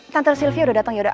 tante sylvia udah datang yaudah